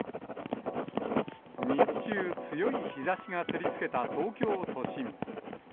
日中、強い日ざしが照りつけた東京都心。